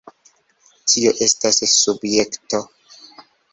Tio estas... subjekto.